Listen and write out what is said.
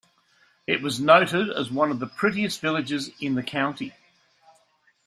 It was noted as one of the prettiest villages in the county.